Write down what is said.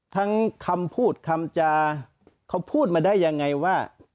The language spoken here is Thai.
คำพูดคำจาเขาพูดมาได้ยังไงว่า